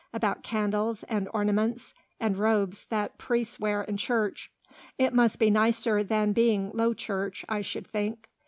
About candles, and ornaments, and robes that priests wear in church. It must be much nicer than being Low Church, I should think."